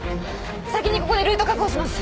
先にここでルート確保します。